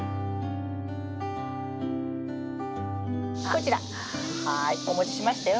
こちらはいお持ちしましたよ。